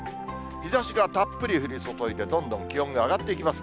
日ざしがたっぷり降り注いで、どんどん気温が上がっていきます。